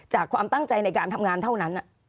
ความตั้งใจในการทำงานเท่านั้น